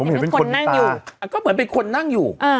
เห็นคนนั่งอยู่ก็เหมือนเป็นคนนั่งอยู่